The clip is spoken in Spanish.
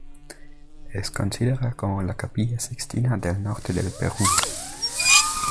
Es considera como la "Capilla Sixtina del norte del Perú".